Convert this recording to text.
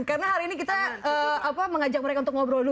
karena hari ini kita mengajak mereka untuk ngobrol dulu